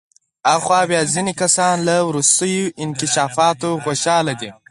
آخوا بیا ځینې کسان له وروستیو انکشافاتو خوشحاله دي.